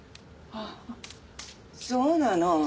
あっそうなの。